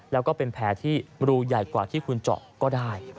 แล้วก็เป็นแผลที่รูใหญ่กว่าที่คุณเจาะก็ได้